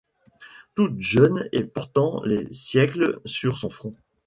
Toute jeune et portant les siècles sur son front